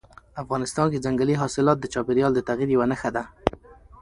افغانستان کې ځنګلي حاصلات د چاپېریال د تغیر یوه نښه ده.